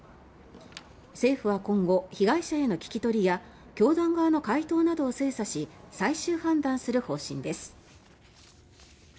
政府は今後被害者への聞き取りや教団側の回答などを精査し最終判断する方針です。